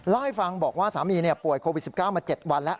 เล่าให้ฟังบอกว่าสามีป่วยโควิด๑๙มา๗วันแล้ว